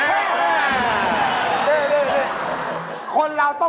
มีความรู้สึกว่า